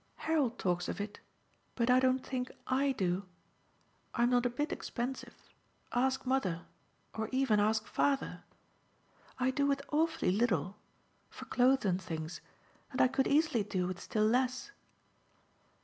"Harold talks of it but I don't think I do. I'm not a bit expensive ask mother, or even ask father. I do with awfully little for clothes and things, and I could easily do with still less.